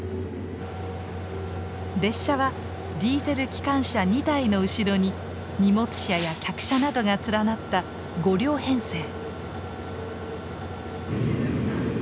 列車はディーゼル機関車２台の後ろに荷物車や客車などが連なった５両編成。